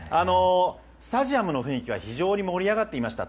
スタジアムの雰囲気は非常に盛り上がっていました。